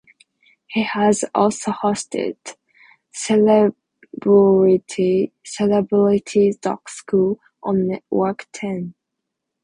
He has also hosted "Celebrity Dog School" on Network Ten.